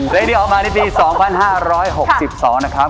เพลงที่ออกมาในปี๒๕๖๒นะครับ